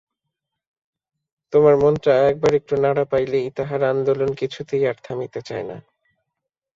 তোমার মনটা একবার একটু নাড়া পাইলেই তাহার আন্দোলন কিছুতেই আর থামিতে চায় না।